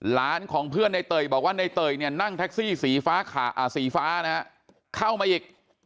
หลานของเพื่อนในเตยบอกว่าในเตยเนี่ยนั่งแท็กซี่สีฟ้านะฮะเข้ามาอีก